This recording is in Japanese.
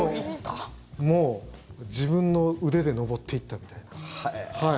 もう自分の腕で上っていったみたいな。